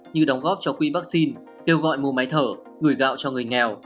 như đóng góp cho quỹ vaccine kêu gọi mua máy thở gửi gạo cho người nghèo